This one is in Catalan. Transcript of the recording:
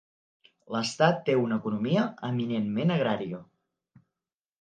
L'estat té una economia eminentment agrària.